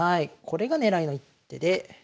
これが狙いの一手で。